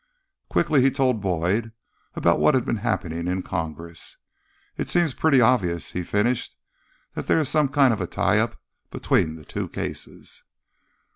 Quickly, he told Boyd about what had been happening in Congress. "It seems pretty obvious," he finished, "that there is some kind of a tie up between the two cases."